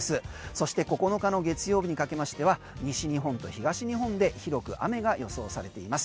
そして９日の月曜日にかけましては西日本と東日本で広く雨が予想されています。